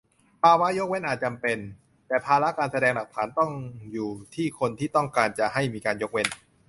ภาวะยกเว้นอาจจำเป็น แต่ภาระการแสดงหลักฐานต้องอยู่ที่คนที่ต้องการจะให้มีการยกเว้น